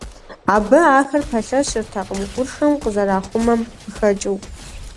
Абы ахэр пэлъэщыртэкъым къуршхэм къызэрахъумэм къыхэкӀыу.